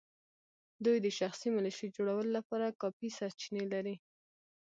دوی د شخصي ملېشو جوړولو لپاره کافي سرچینې لري.